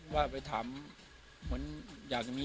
วันนี้ก็จะเป็นสวัสดีครับ